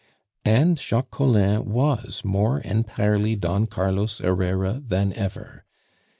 And Jacques Collin was more entirely Don Carlos Herrera than ever.